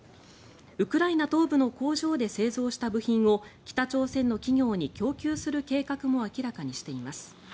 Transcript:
ウクライナ東部の工場で製造した部品を北朝鮮の企業に供給する計画も明らかにしています。